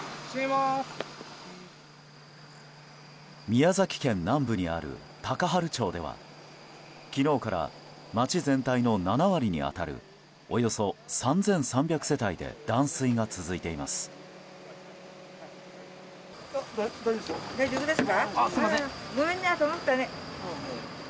宮崎県南部にある高原町では昨日から町全体の７割に当たるおよそ３３００世帯で断水が続いています。